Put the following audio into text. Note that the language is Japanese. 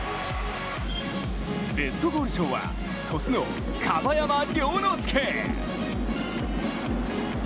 ベストゴール賞は鳥栖の樺山諒乃介。